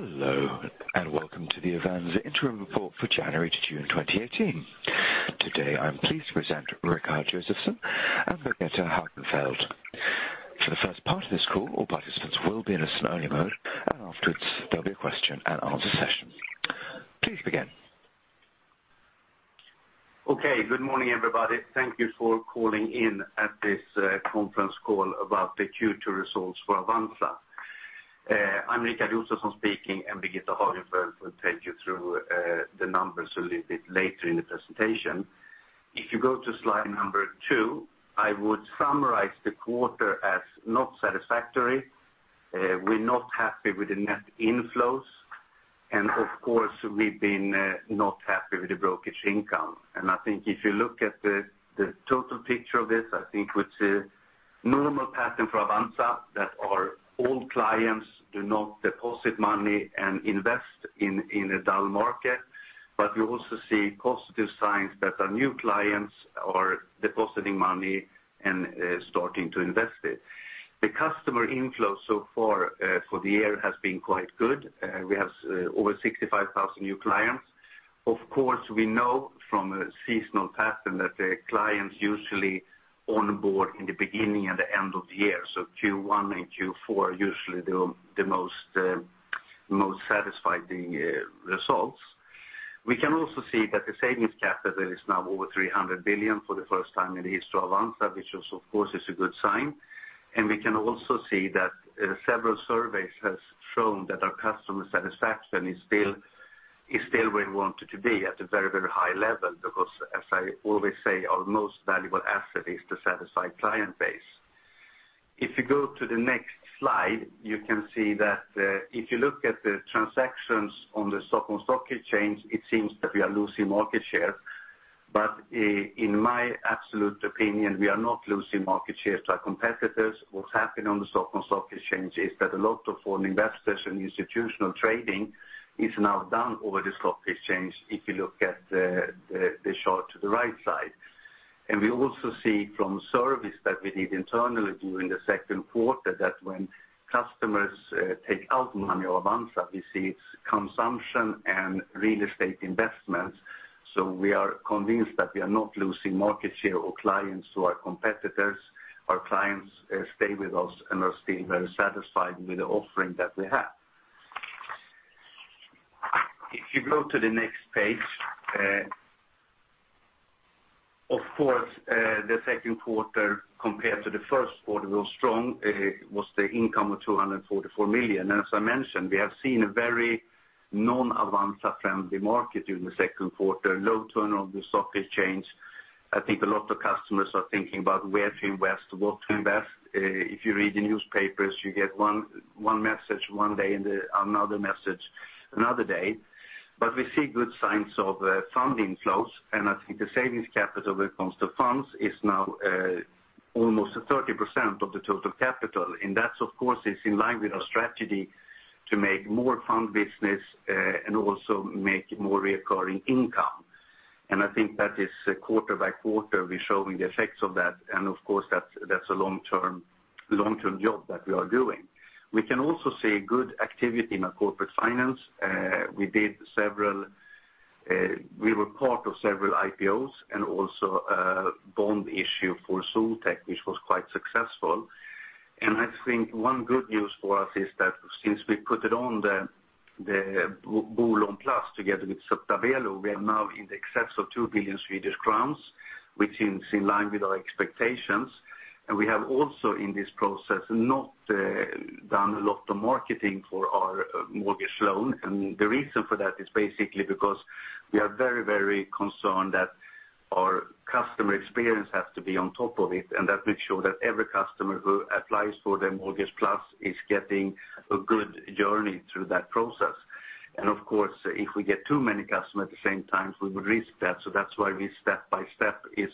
Hello, welcome to the Avanza interim report for January to June 2018. Today, I'm pleased to present Rikard Josefson and Birgitta Hagenfeldt. For the first part of this call, all participants will be in a listen-only mode, and afterwards there will be a question and answer session. Please begin. Okay. Good morning, everybody. Thank you for calling in at this conference call about the Q2 results for Avanza. I'm Rikard Josefson speaking, and Birgitta Hagenfeldt will take you through the numbers a little bit later in the presentation. If you go to slide number two, I would summarize the quarter as not satisfactory. We are not happy with the net inflows, and of course, we have been not happy with the brokerage income. I think if you look at the total picture of this, I think with the normal pattern for Avanza, that our old clients do not deposit money and invest in a dull market. You also see positive signs that our new clients are depositing money and starting to invest it. The customer inflow so far for the year has been quite good. We have over 65,000 new clients. Of course, we know from a seasonal pattern that the clients usually onboard in the beginning and the end of the year. Q1 and Q4 are usually the most satisfying results. We can also see that the savings capital is now over 300 billion for the first time in the history of Avanza, which also, of course, is a good sign. We can also see that several surveys has shown that our customer satisfaction is still where we want it to be at a very high level because, as I always say, our most valuable asset is the satisfied client base. If you go to the next slide, you can see that if you look at the transactions on the Stockholm Stock Exchange, it seems that we are losing market share. In my absolute opinion, we are not losing market share to our competitors. What has happened on the Stockholm Stock Exchange is that a lot of our investors and institutional trading is now down over the stock exchange if you look at the chart to the right side. We also see from service that we did internally during the second quarter that when customers take out money or advance that we see it is consumption and real estate investments. We are convinced that we are not losing market share or clients to our competitors. Our clients stay with us and are still very satisfied with the offering that we have. If you go to the next page. Of course, the second quarter compared to the first quarter was strong, was the income of 244 million. As I mentioned, we have seen a very non-Avanza-friendly market during the second quarter. Low turnover on the stock exchange. I think a lot of customers are thinking about where to invest, what to invest. If you read the newspapers, you get one message one day and another message another day. We see good signs of fund inflows, and I think the savings capital when it comes to funds is now almost 30% of the total capital. That's, of course, is in line with our strategy to make more fund business, and also make more reoccurring income. I think that is quarter by quarter, we're showing the effects of that, and of course that's a long-term job that we are doing. We can also see good activity in our corporate finance. We were part of several IPOs and also a bond issue for Soltech which was quite successful. I think one good news for us is that since we put it on the Bolån Plus together with Stabelo, we are now in the excess of 2 billion Swedish crowns, which is in line with our expectations. We have also, in this process, not done a lot of marketing for our mortgage loan. The reason for that is basically because we are very concerned that our customer experience has to be on top of it, and that we ensure that every customer who applies for the Bolån Plus is getting a good journey through that process. Of course, if we get too many customers at the same time, we would risk that. That's why we step by step is,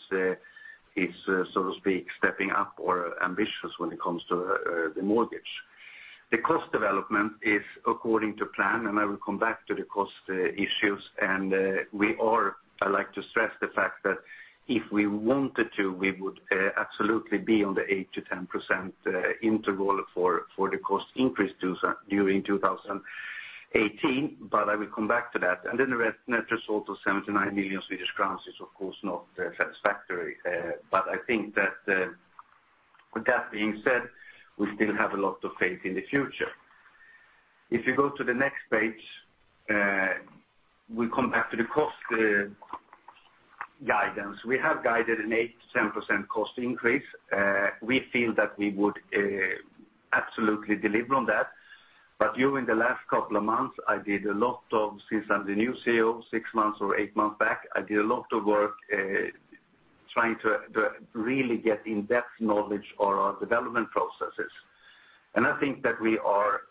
so to speak, stepping up our ambitious when it comes to the mortgage. The cost development is according to plan, I will come back to the cost issues. I like to stress the fact that if we wanted to, we would absolutely be on the 8%-10% interval for the cost increase during 2018. I will come back to that. The net result of 79 million Swedish crowns is, of course, not satisfactory. I think that with that being said, we still have a lot of faith in the future. If you go to the next page, we come back to the cost guidance. We have guided an 8%-10% cost increase. We feel that we would absolutely deliver on that. During the last couple of months, since I'm the new CEO, six months or eight months back, I did a lot of work trying to really get in-depth knowledge on our development processes. I think that we are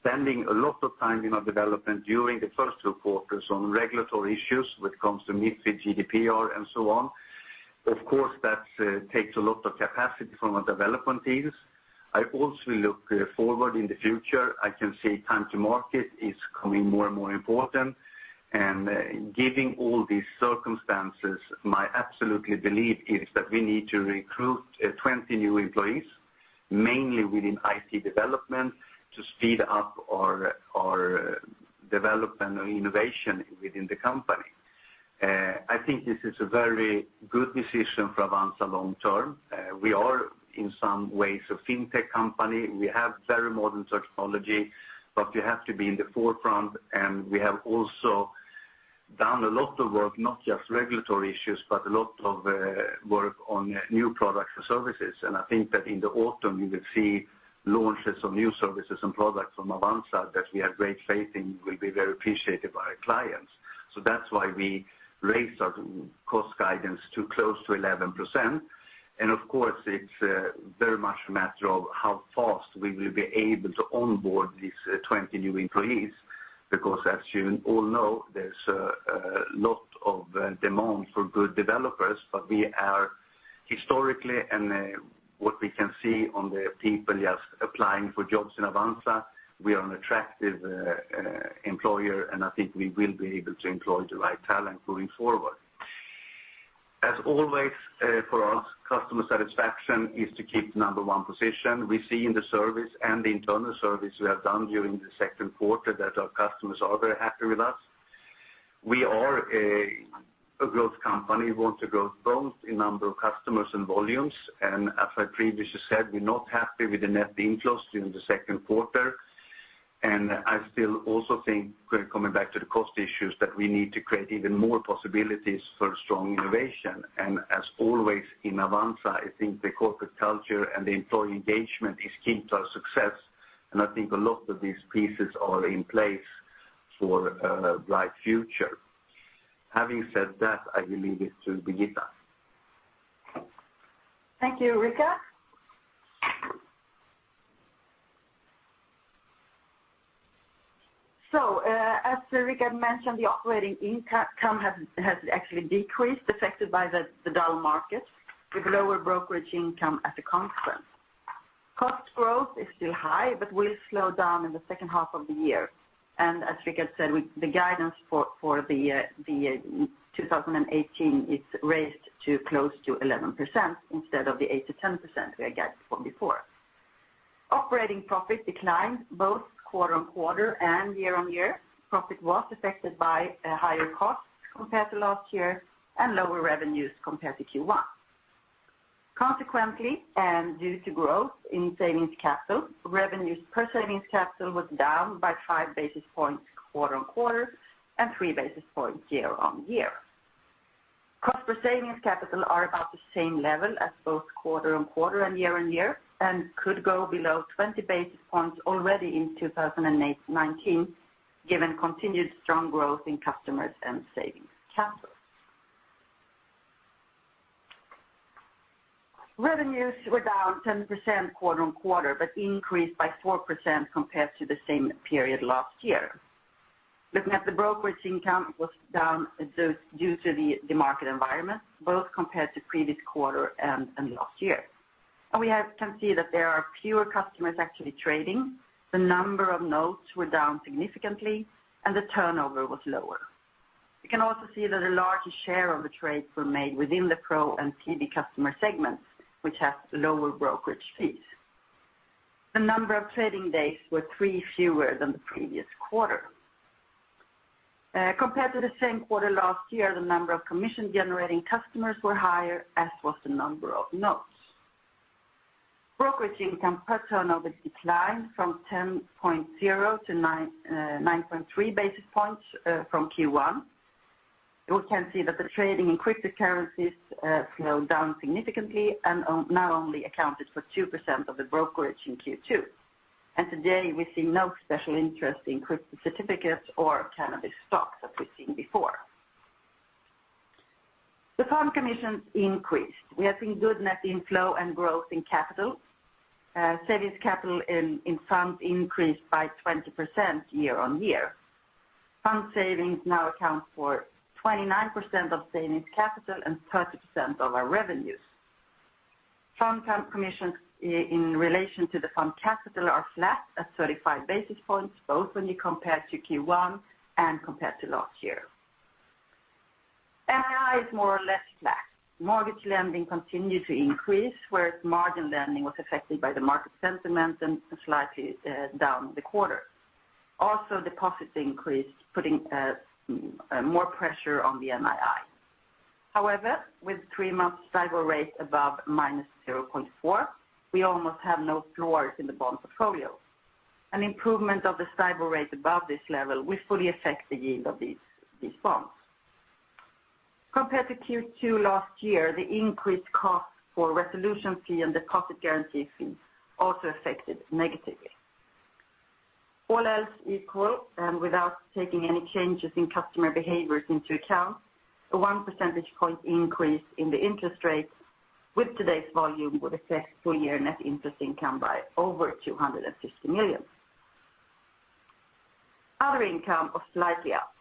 spending a lot of time in our development during the first two quarters on regulatory issues when it comes to MiFID, GDPR, and so on. Of course, that takes a lot of capacity from our development teams. I also look forward in the future, I can say time to market is becoming more and more important. Giving all these circumstances, my absolute belief is that we need to recruit 20 new employees, mainly within IT development, to speed up our development and innovation within the company. I think this is a very good decision for Avanza long term. We are in some ways a fintech company. We have very modern technology, but you have to be in the forefront, and we have also done a lot of work, not just regulatory issues, but a lot of work on new products and services. I think that in the autumn you will see launches of new services and products from Avanza that we have great faith in will be very appreciated by our clients. That's why we raised our cost guidance to close to 11%. Of course, it's very much a matter of how fast we will be able to onboard these 20 new employees, because as you all know, there's a lot of demand for good developers. We are historically, and what we can see on the people applying for jobs in Avanza, we are an attractive employer, and I think we will be able to employ the right talent going forward. As always for us, customer satisfaction is to keep the number one position. We see in the service and the internal service we have done during the second quarter that our customers are very happy with us. We are a growth company. We want to grow both in number of customers and volumes. As I previously said, we're not happy with the net inflows during the second quarter. I still also think, coming back to the cost issues, that we need to create even more possibilities for strong innovation. As always in Avanza, I think the corporate culture and the employee engagement is key to our success. I think a lot of these pieces are in place for a bright future. Having said that, I will leave it to Birgitta. Thank you, Rikard. As Rikard mentioned, the operating income has actually decreased, affected by the dull market with lower brokerage income as a consequence. Cost growth is still high but will slow down in the second half of the year. As Rikard said, the guidance for the 2018, it's raised to close to 11% instead of the 8%-10% we had guided from before. Operating profit declined both quarter-on-quarter and year-on-year. Profit was affected by higher costs compared to last year and lower revenues compared to Q1. Consequently, and due to growth in savings capital, revenues per savings capital was down by five basis points quarter-on-quarter and three basis points year-on-year. Costs per savings capital are about the same level as both quarter-on-quarter and year-on-year, and could go below 20 basis points already in 2019 given continued strong growth in customers and savings capital. Revenues were down 10% quarter-on-quarter, but increased by 4% compared to the same period last year. Looking at the brokerage income was down due to the market environment, both compared to previous quarter and last year. We can see that there are fewer customers actually trading. The number of notes were down significantly, and the turnover was lower. We can also see that a larger share of the trades were made within the Pro and PB customer segments, which have lower brokerage fees. The number of trading days were three fewer than the previous quarter. Compared to the same quarter last year, the number of commission-generating customers were higher, as was the number of notes. Brokerage income per turnover declined from 10.0 to 9.3 basis points from Q1. We can see that the trading in cryptocurrencies slowed down significantly and now only accounted for 2% of the brokerage in Q2. Today we see no special interest in crypto certificates or cannabis stocks as we've seen before. The fund commissions increased. We have seen good net inflow and growth in capital. Savings capital in funds increased by 20% year-on-year. Fund savings now account for 29% of savings capital and 30% of our revenues. Fund commissions in relation to the fund capital are flat at 35 basis points, both when you compare to Q1 and compared to last year. NII is more or less flat. Mortgage lending continued to increase, whereas margin lending was affected by the market sentiment and slightly down in the quarter. Deposits increased, putting more pressure on the NII. With three-month STIBOR rates above minus 0.4, we almost have no floors in the bond portfolio. An improvement of the STIBOR rate above this level will fully affect the yield of these bonds. Compared to Q2 last year, the increased cost for resolution fee and deposit guarantee fee also affected negatively. All else equal, and without taking any changes in customer behaviors into account, a one percentage point increase in the interest rates with today's volume would affect full year net interest income by over 250 million. Other income was slightly up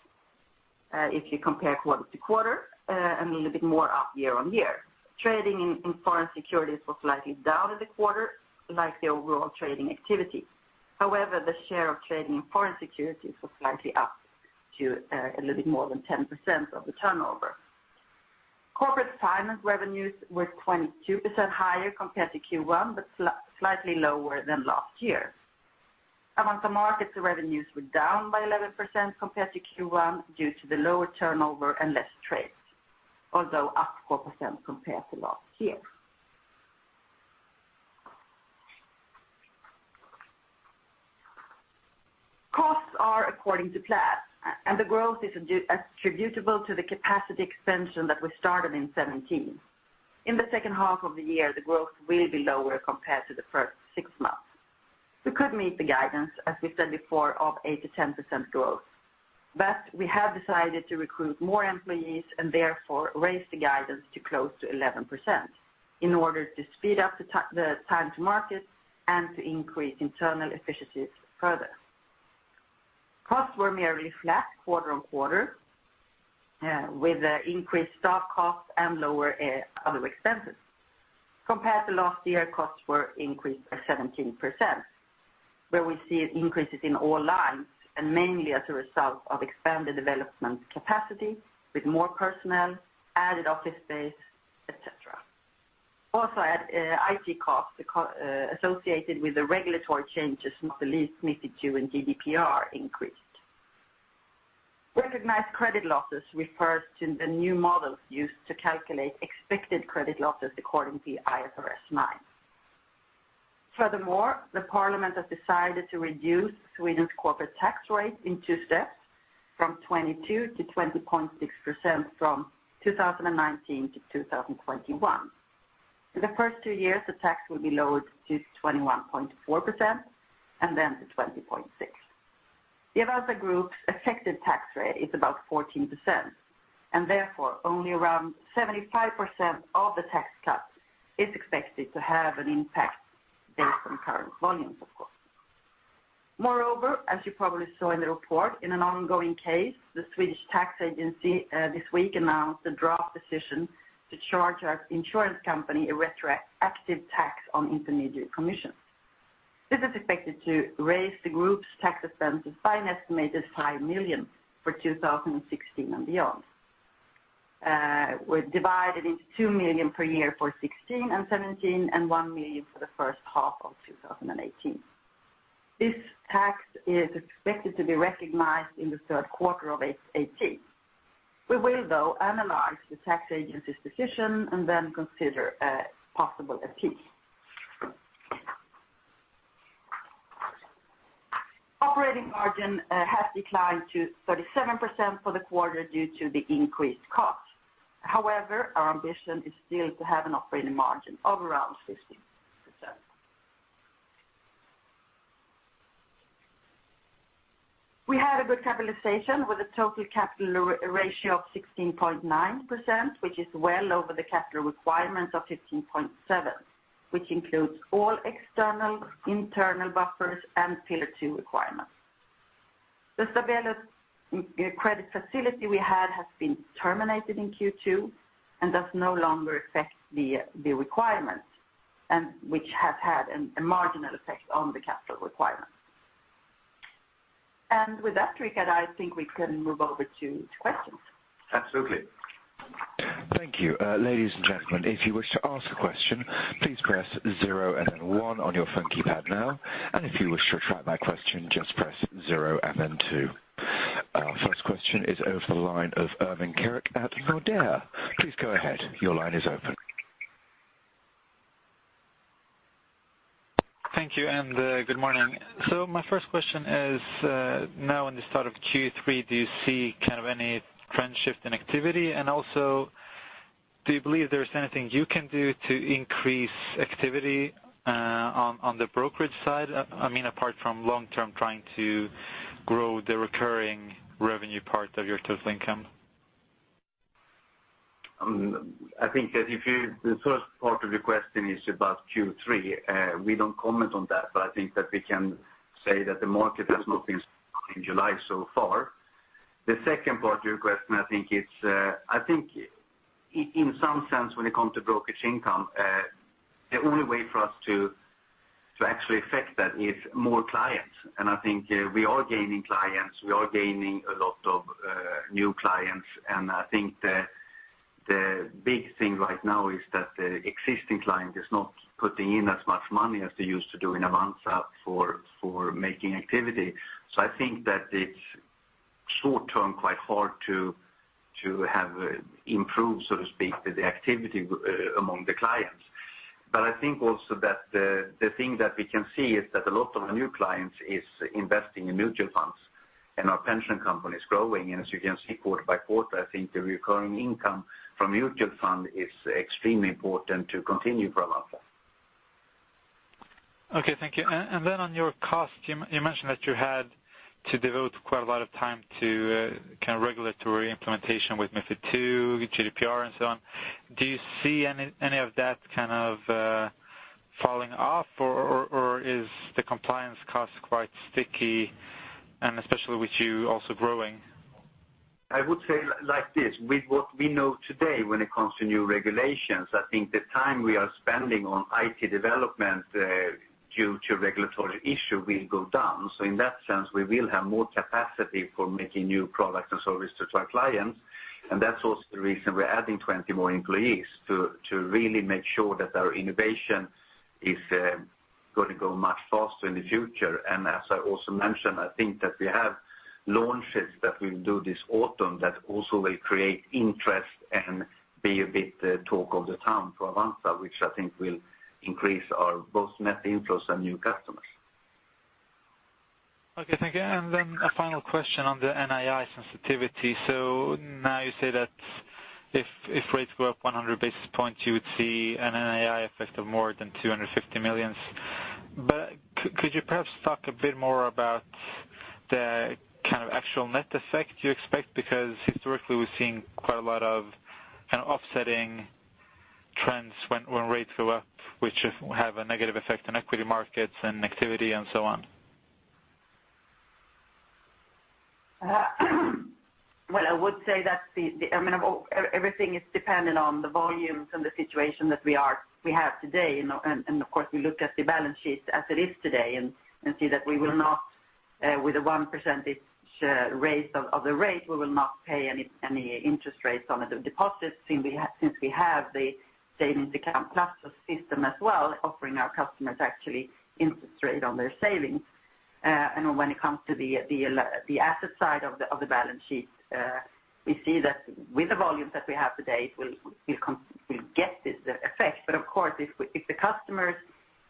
if you compare quarter-over-quarter and a little bit more up year-on-year. Trading in foreign securities was slightly down in the quarter like the overall trading activity. The share of trading in foreign securities was slightly up to a little bit more than 10% of the turnover. Corporate finance revenues were 22% higher compared to Q1, slightly lower than last year. Avanza Markets revenues were down by 11% compared to Q1 due to the lower turnover and less trades, up 4% compared to last year. Costs are according to plan, and the growth is attributable to the capacity expansion that we started in 2017. In the second half of the year, the growth will be lower compared to the first six months. We could meet the guidance, as we said before, of 8%-10% growth. We have decided to recruit more employees and therefore raise the guidance to close to 11%, in order to speed up the time to market and to increase internal efficiencies further. Costs were merely flat quarter-over-quarter, with increased staff costs and lower other expenses. Compared to last year, costs were increased by 17%, where we see increases in all lines and mainly as a result of expanded development capacity with more personnel, added office space, et cetera. IT costs associated with the regulatory changes of MiFID II and GDPR increased. Recognized credit losses refers to the new models used to calculate expected credit losses according to IFRS 9. The parliament has decided to reduce Sweden's corporate tax rate in two steps from 22% to 20.6% from 2019 to 2021. For the first two years, the tax will be lowered to 21.4% and then to 20.6%. The Avanza Group's effective tax rate is about 14%. Therefore, only around 75% of the tax cut is expected to have an impact based on current volumes, of course. Moreover, as you probably saw in the report, in an ongoing case the Swedish Tax Agency this week announced a draft decision to charge our insurance company a retroactive tax on intermediate commissions. This is expected to raise the group's tax expenses by an estimated 5 million for 2016 and beyond, divided into 2 million per year for 2016 and 2017 and 1 million for the first half of 2018. This tax is expected to be recognized in the third quarter of 2018. We will though analyze the Tax Agency's decision and then consider a possible appeal. Operating margin has declined to 37% for the quarter due to the increased costs. Our ambition is still to have an operating margin of around 50%. We had a good capitalization with a total capital ratio of 16.9%, which is well over the capital requirements of 15.7%, which includes all external internal buffers and Pillar 2 requirements. The Stabilitas credit facility we had has been terminated in Q2 and does no longer affect the requirements, which has had a marginal effect on the capital requirement. With that, Rikard, I think we can move over to questions. Absolutely. Thank you. Ladies and gentlemen, if you wish to ask a question, please press zero and then 1 on your phone keypad now, and if you wish to retract that question, just press zero and then 2. Our first question is over the line of Irming Pontvik at Nordea. Please go ahead. Your line is open. Thank you. Good morning. My first question is, now in the start of Q3, do you see any trend shift in activity? Also, do you believe there is anything you can do to increase activity on the brokerage side, apart from long term trying to grow the recurring revenue part of your total income? I think that the first part of your question is about Q3. We don't comment on that, but I think that we can say that the market has not been in July so far. The second part of your question, I think in some sense, when it comes to brokerage income, the only way for us to actually affect that is more clients. I think we are gaining clients. We are gaining a lot of new clients, and I think the big thing right now is that the existing client is not putting in as much money as they used to do in Avanza for making activity. I think that it's short term quite hard to have improved, so to speak, the activity among the clients. I think also that the thing that we can see is that a lot of new clients is investing in mutual funds and our pension company is growing. As you can see quarter by quarter, I think the recurring income from mutual fund is extremely important to continue for Avanza. Okay, thank you. Then on your cost, you mentioned that you had to devote quite a lot of time to regulatory implementation with MiFID II, GDPR, and so on. Do you see any of that falling off, or is the compliance cost quite sticky, and especially with you also growing? I would say like this, with what we know today when it comes to new regulations, I think the time we are spending on IT development due to regulatory issue will go down. In that sense, we will have more capacity for making new products and services to our clients. That's also the reason we're adding 20 more employees to really make sure that our innovation is going to go much faster in the future. As I also mentioned, I think that we have launches that we will do this autumn that also will create interest and be a big talk of the town for Avanza, which I think will increase our both net inflows and new customers. Okay, thank you. A final question on the NII sensitivity. Now you say that if rates go up 100 basis points, you would see an NII effect of more than 250 million SEK. Could you perhaps talk a bit more about the kind of actual net effect you expect? Because historically we're seeing quite a lot of offsetting trends when rates go up, which have a negative effect on equity markets and activity and so on. Well, I would say that everything is dependent on the volumes and the situation that we have today. Of course, we look at the balance sheet as it is today and see that we will not with a 1% raise of the rate, we will not pay any interest rates on the deposits since we have the Savings Account Plus system as well, offering our customers actually interest rate on their savings. When it comes to the asset side of the balance sheet, we see that with the volumes that we have today, we'll get this effect. Of course, if the customers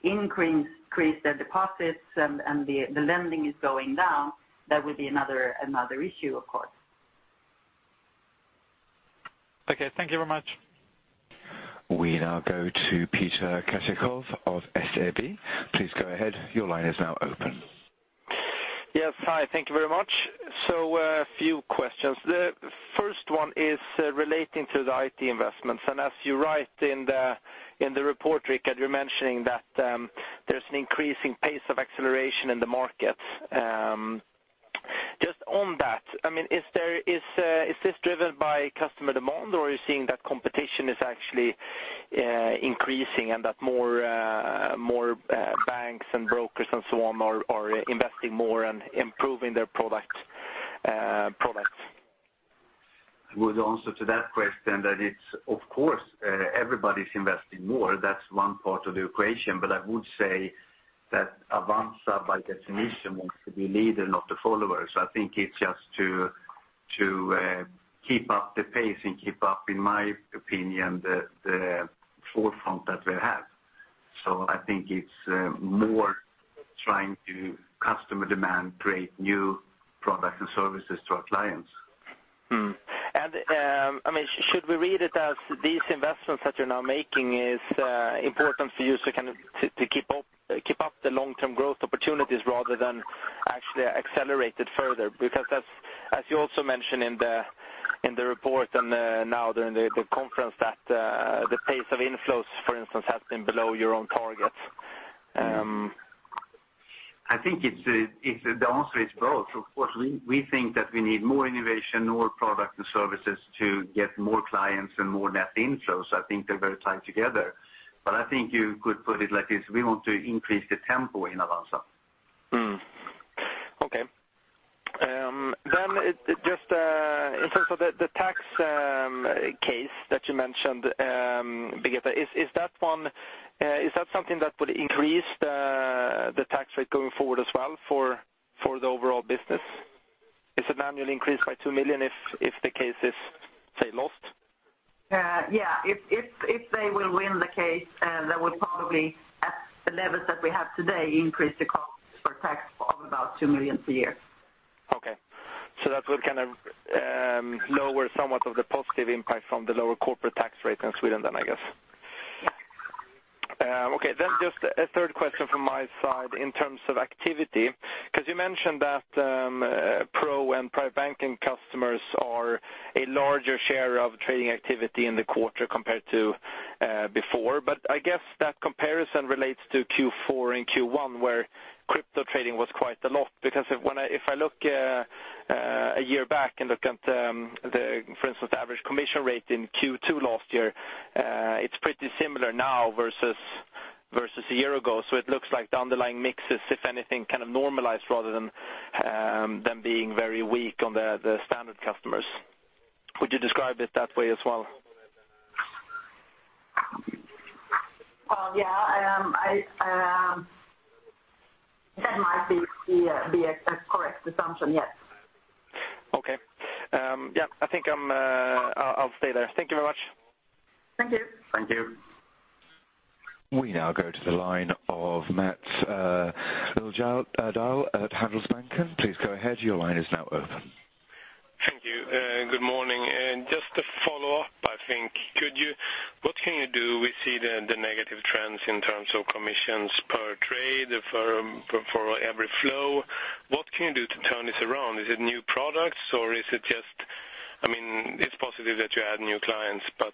increase their deposits and the lending is going down, that would be another issue, of course. Okay, thank you very much. We now go to Peter Kasparek of SEB. Please go ahead. Your line is now open. Yes. Hi, thank you very much. A few questions. The first one is relating to the IT investments. As you write in the report, Rikard, you're mentioning that there's an increasing pace of acceleration in the market. Just on that, is this driven by customer demand, or are you seeing that competition is actually increasing and that more banks and brokers and so on are investing more and improving their products? I would answer to that question that it's of course, everybody's investing more. That's one part of the equation. I would say that Avanza, by definition, wants to be leader not a follower. I think it's just to keep up the pace and keep up, in my opinion, the forefront that we have. I think it's more trying to customer demand, create new products and services to our clients. Should we read it as these investments that you're now making is important for you to keep up the long-term growth opportunities rather than actually accelerate it further? As you also mentioned in the report and now during the conference that the pace of inflows, for instance, has been below your own target. I think the answer is both. Of course, we think that we need more innovation, more product and services to get more clients and more net inflows. I think they're very tied together. I think you could put it like this, we want to increase the tempo in Avanza. Just in terms of the tax case that you mentioned, Birgitta, is that something that would increase the tax rate going forward as well for the overall business? Is it annually increased by 2 million if the case is, say, lost? If they will win the case, that would probably, at the levels that we have today, increase the cost for tax of about 2 million per year. That would lower somewhat of the positive impact from the lower corporate tax rate in Sweden, I guess. Yeah. Just a third question from my side in terms of activity, because you mentioned that Pro and Private Banking customers are a larger share of trading activity in the quarter compared to before. I guess that comparison relates to Q4 and Q1, where crypto trading was quite a lot. If I look a year back and look at the, for instance, average commission rate in Q2 last year, it's pretty similar now versus a year ago. It looks like the underlying mix is, if anything, kind of normalized rather than being very weak on the standard customers. Would you describe it that way as well? Well, yeah. That might be a correct assumption, yes. Okay. I think I'll stay there. Thank you very much. Thank you. Thank you. We now go to the line of Mattias Liljedahl at Handelsbanken. Please go ahead. Your line is now open. Thank you. Good morning. Just to follow up, I think. What can you do? We see the negative trends in terms of commissions per trade for every flow. What can you do to turn this around? Is it new products or is it just. It's positive that you add new clients, but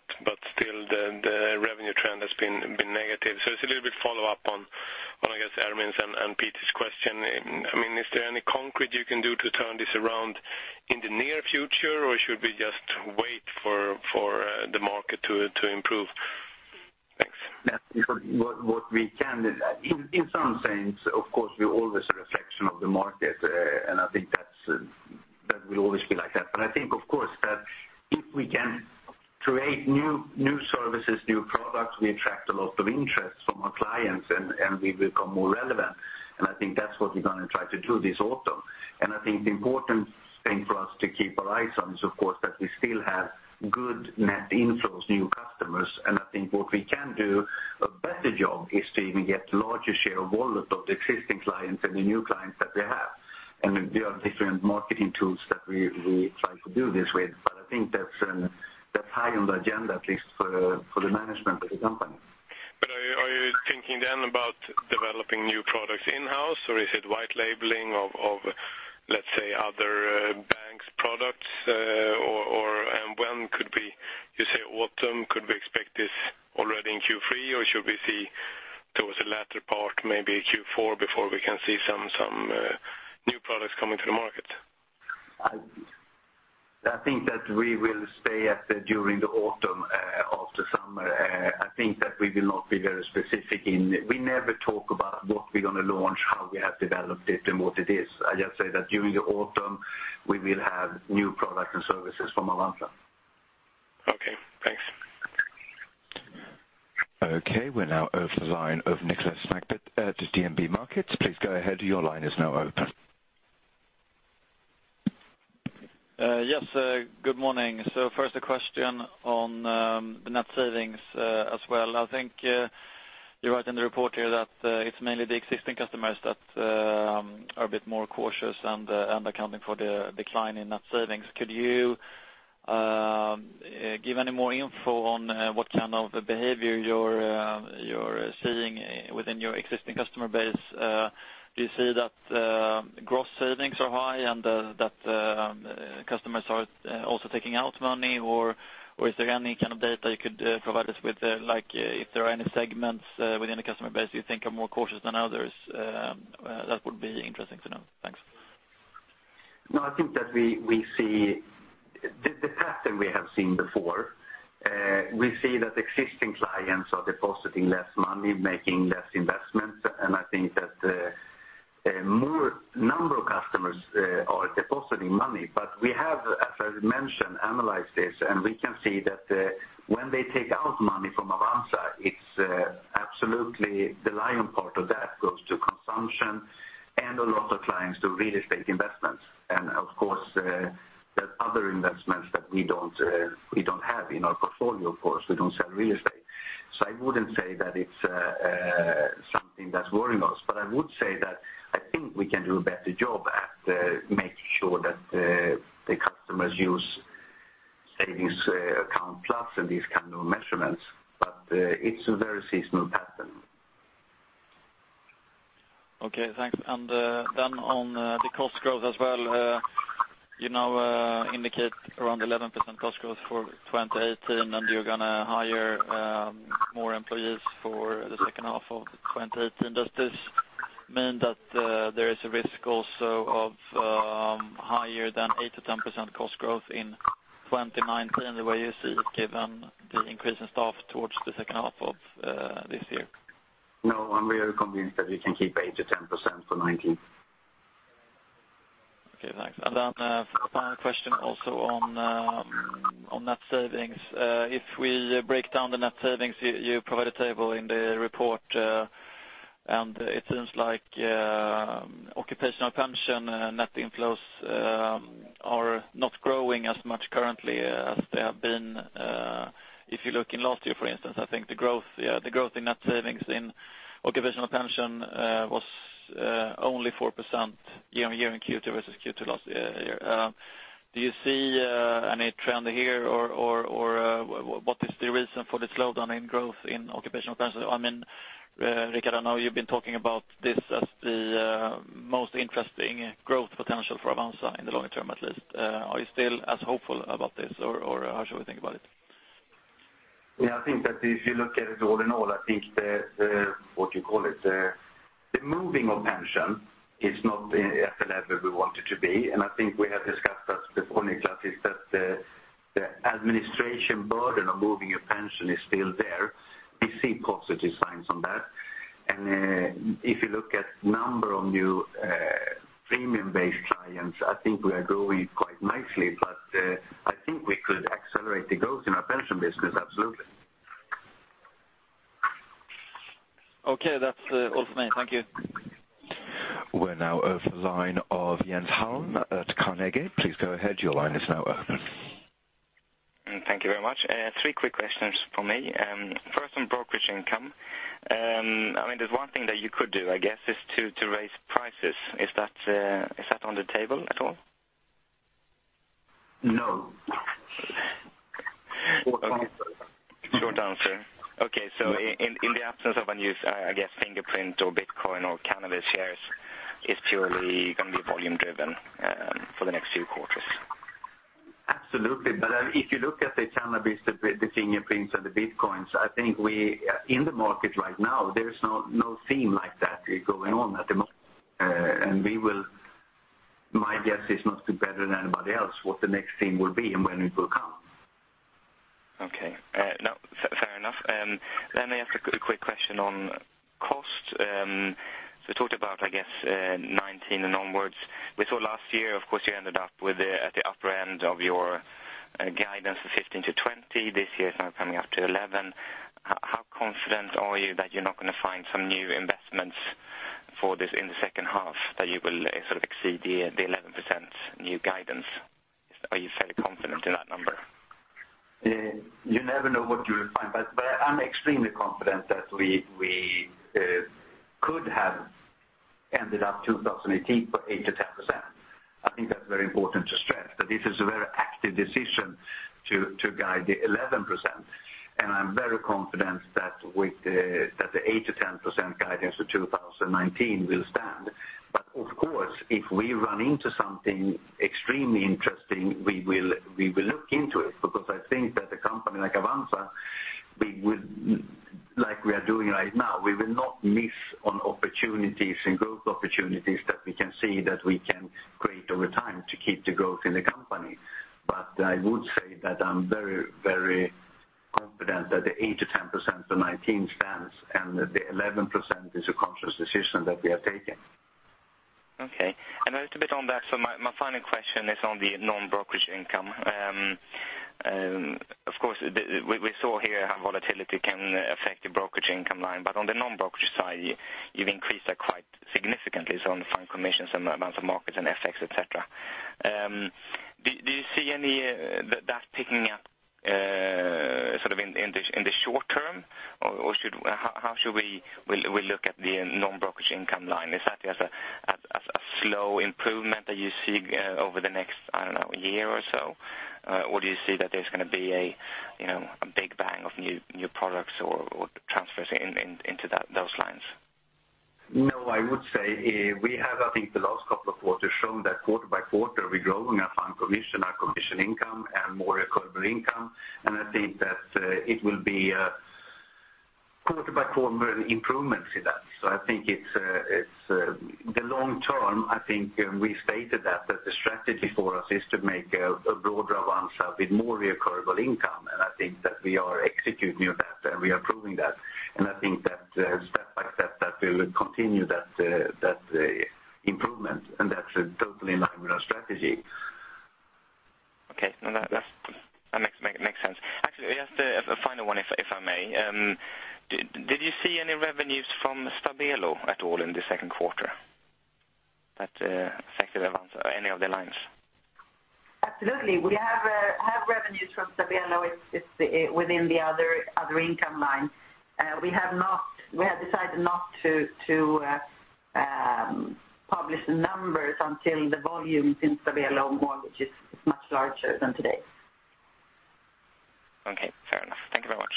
still the revenue trend has been negative. It's a little bit follow up on, I guess Irming's and Peter's question. Is there any concrete you can do to turn this around in the near future, or should we just wait for the market to improve? Thanks. What we can do in some sense, of course, we're always a reflection of the market. I think that will always be like that. I think, of course. We can create new services, new products. We attract a lot of interest from our clients, and we become more relevant. I think that's what we're going to try to do this autumn. I think the important thing for us to keep our eyes on is, of course, that we still have good net inflows, new customers. I think what we can do a better job is to even get larger share of wallet of the existing clients and the new clients that we have. There are different marketing tools that we try to do this with. I think that's high on the agenda, at least for the management of the company. Are you thinking then about developing new products in-house, or is it white labeling of, let's say, other banks products? When could we. You say autumn, could we expect this already in Q3, or should we see towards the latter part, maybe Q4 before we can see some new products coming to the market? I think that we will stay at the during the autumn after summer. I think that we will not be very specific. We never talk about what we're going to launch, how we have developed it, and what it is. I just say that during the autumn, we will have new products and services from Avanza. Okay, thanks. Okay, we're now online of Niklas Magnusson at DNB Markets. Please go ahead. Your line is now open. First a question on the net savings as well. I think you wrote in the report here that it's mainly the existing customers that are a bit more cautious and accounting for the decline in net savings. Could you give any more info on what kind of behavior you're seeing within your existing customer base? Do you see that gross savings are high and that customers are also taking out money, or is there any kind of data you could provide us with? If there are any segments within the customer base you think are more cautious than others, that would be interesting to know. Thanks. I think that we see the pattern we have seen before. We see that existing clients are depositing less money, making less investments, and I think that more number of customers are depositing money. We have, as I mentioned, analyzed this, and we can see that when they take out money from Avanza, it's absolutely the lion part of that goes to consumption and a lot of clients do real estate investments. Of course, there's other investments that we don't have in our portfolio. Of course, we don't sell real estate. I wouldn't say that it's something that's worrying us. I would say that I think we can do a better job at making sure that the customers use Savings Account Plus and these kind of measurements, but it's a very seasonal pattern. Okay, thanks. Then on the cost growth as well. You now indicate around 11% cost growth for 2018, and you're going to hire more employees for the second half of 2018. Does this mean that there is a risk also of higher than 8%-10% cost growth in 2019, the way you see it, given the increase in staff towards the second half of this year? I'm very convinced that we can keep 8%-10% for 2019. Okay, thanks. Then a final question also on net savings. If we break down the net savings, you provide a table in the report, and it seems like occupational pension net inflows are not growing as much currently as they have been. If you look in last year, for instance, I think the growth in net savings in occupational pension was only 4% year-on-year in Q2 versus Q2 last year. Do you see any trend here or what is the reason for the slowdown in growth in occupational pension? Rikard, I know you've been talking about this as the most interesting growth potential for Avanza in the long term at least. Are you still as hopeful about this, or how should we think about it? I think that if you look at it all in all, I think the, what you call it, the moving of pension is not at the level we want it to be. I think we have discussed that before, Niklas, is that the administration burden of moving your pension is still there. We see positive signs on that. If you look at number of new premium-based clients, I think we are growing quite nicely, but I think we could accelerate the growth in our pension business absolutely. Okay. That's all from me. Thank you. We're now online of Jens Hallén at Carnegie. Please go ahead. Your line is now open. Thank you very much. Three quick questions from me. First, on brokerage income. There's one thing that you could do, I guess, is to raise prices. Is that on the table at all? No. Short answer. Short answer. Okay. In the absence of a new, I guess, Fingerprint or Bitcoin or cannabis shares, it's purely going to be volume driven for the next few quarters. Absolutely. If you look at the cannabis, the Fingerprints, and the Bitcoins, I think in the market right now, there is no theme like that going on at the moment. My guess is not better than anybody else what the next theme will be and when it will come. Okay. Fair enough. Let me ask a quick question on cost. Talked about, I guess, 2019 and onwards. We saw last year, of course, you ended up at the upper end of your guidance of 15%-20%. This year it's now coming up to 11%. How confident are you that you're not going to find some new investments for this in the second half that you will sort of exceed the 11% new guidance? Are you fairly confident in that number? You never know what you will find, I'm extremely confident that we could have ended up 2018 for 8%-10%. I think that's very important to stress, that this is a very active decision to guide the 11%. I'm very confident that the 8%-10% guidance for 2019 will stand. Of course, if we run into something extremely interesting, we will look into it, because I think that a company like Avanza, like we are doing right now, we will not miss on opportunities and growth opportunities that we can see that we can create over time to keep the growth in the company. I would say that I'm very confident that the 8%-10% for 2019 stands, and the 11% is a conscious decision that we have taken. Okay. A little bit on that. My final question is on the non-brokerage income. Of course, we saw here how volatility can affect the brokerage income line. On the non-brokerage side, you've increased that quite significantly. On the fund commissions and Avanza Markets and FX, et cetera. Do you see any of that picking up in the short term? How should we look at the non-brokerage income line? Is that a slow improvement that you see over the next, I don't know, year or so? Do you see that there's going to be a big bang of new products or transfers into those lines? I would say we have, I think the last couple of quarters shown that quarter by quarter we're growing our fund commission, our commission income, and more recurring income. I think that it will be quarter by quarter improvements in that. I think the long term, I think we stated that the strategy for us is to make a broader Avanza with more recurring income. I think that we are executing on that and we are proving that. I think that step by step that will continue that improvement, and that's totally in line with our strategy. Okay. That makes sense. Actually, just a final one, if I may. Did you see any revenues from Stabelo at all in the second quarter that affected Avanza or any of the lines? Absolutely. We have revenues from Stabelo. It is within the other income line. We have decided not to publish the numbers until the volume in Stabelo mortgage is much larger than today. Okay, fair enough. Thank you very much.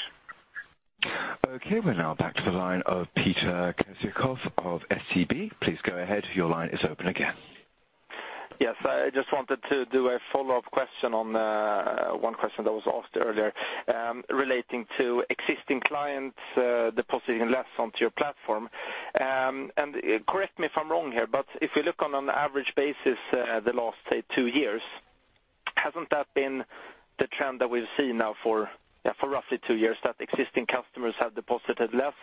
Okay. We are now back to the line of Peter Kessiakoff of SEB. Please go ahead. Your line is open again. Yes, I just wanted to do a follow-up question on one question that was asked earlier relating to existing clients depositing less onto your platform. Correct me if I am wrong here, but if we look on an average basis the last, say, two years, has not that been the trend that we have seen now for roughly two years, that existing customers have deposited less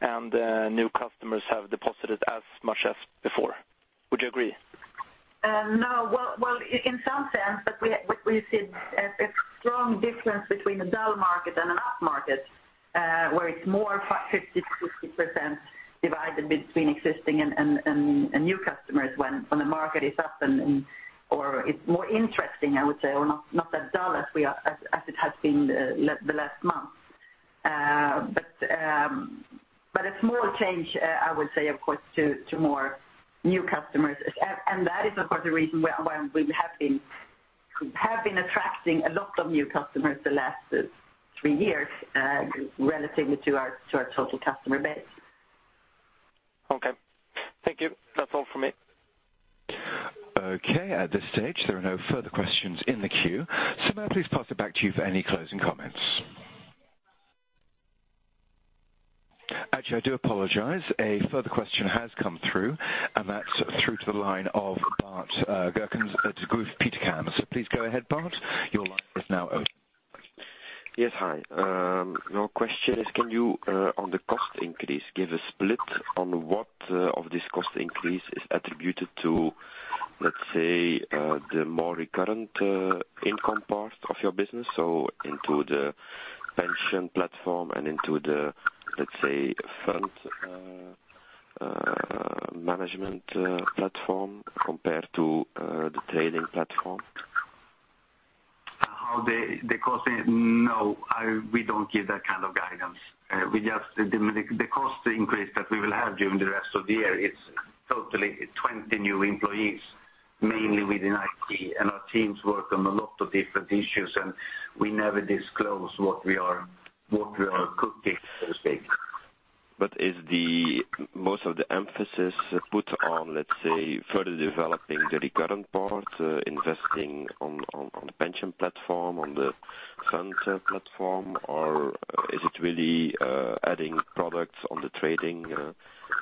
and new customers have deposited as much as before? Would you agree? No. Well, in some sense, we see a strong difference between a dull market and an up market where it's more 50%-60% divided between existing and new customers when the market is up or it's more interesting, I would say, or not that dull as it has been the last month. A small change, I would say, of course, to more new customers. That is, of course, the reason why we have been attracting a lot of new customers the last three years relatively to our total customer base. Okay. Thank you. That's all from me. Okay. At this stage, there are no further questions in the queue. Simone, I'll please pass it back to you for any closing comments. Actually, I do apologize. A further question has come through, and that's through to the line of Bart Gielen, Degroof Petercam. Please go ahead, Bart. Your line is now open. Yes, hi. My question is, can you, on the cost increase, give a split on what of this cost increase is attributed to, let's say, the more recurrent income part of your business, so into the pension platform and into the, let's say, fund management platform compared to the trading platform? The cost, no, we don't give that kind of guidance. The cost increase that we will have during the rest of the year is totally 20 new employees, mainly within IT. Our teams work on a lot of different issues, and we never disclose what we are cooking, so to speak. Is the most of the emphasis put on, let's say, further developing the recurrent part, investing on pension platform, on the fund platform? Is it really adding products on the trading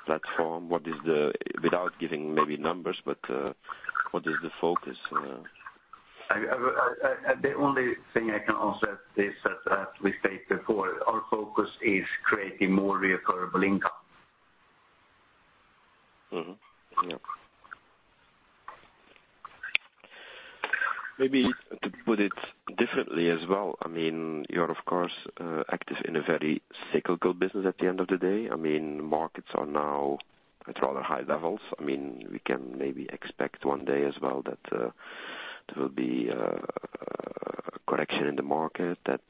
platform? Without giving maybe numbers, but what is the focus? The only thing I can answer is that as we said before, our focus is creating more recurring income Yeah. Maybe to put it differently as well, you're of course active in a very cyclical business at the end of the day. Markets are now at rather high levels. We can maybe expect one day as well that there will be a correction in the market, that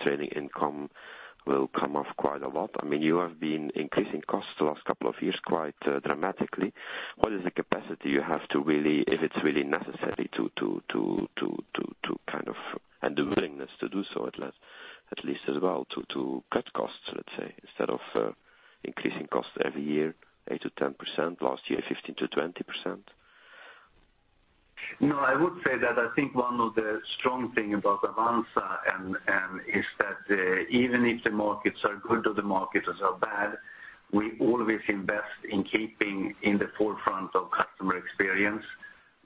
trading income will come off quite a lot. You have been increasing costs the last couple of years quite dramatically. What is the capacity you have, if it's really necessary, and the willingness to do so, at least as well, to cut costs, let's say, instead of increasing costs every year, 8%-10%, last year, 15%-20%? I would say that I think one of the strong thing about Avanza is that even if the markets are good or the markets are bad, we always invest in keeping in the forefront of customer experience.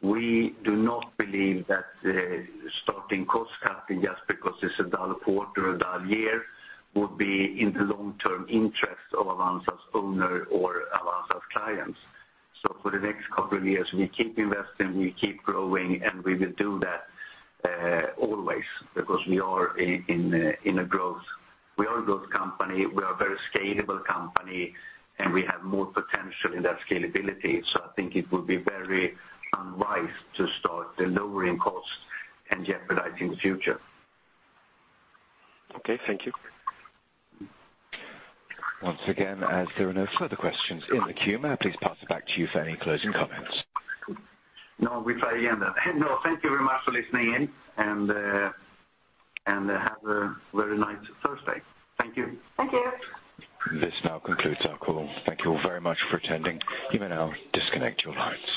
We do not believe that starting cost-cutting just because it's a dull quarter or a dull year would be in the long-term interest of Avanza's owner or Avanza's clients. For the next couple of years, we keep investing, we keep growing, and we will do that always because we are a growth company, we are a very scalable company, and we have more potential in that scalability. I think it would be very unwise to start lowering costs and jeopardizing the future. Okay. Thank you. Once again, as there are no further questions in the queue, may I please pass it back to you for any closing comments? We try again then. Thank you very much for listening in, and have a very nice Thursday. Thank you. Thank you. This now concludes our call. Thank you all very much for attending. You may now disconnect your lines.